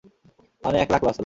মানে, এক লাখ লস হলো।